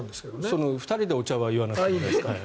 その２人でお茶は言わなくてもいいです。